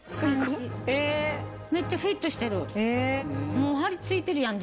もう貼り付いてるやん。